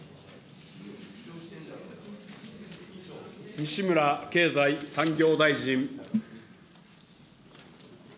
西村経済産業大臣。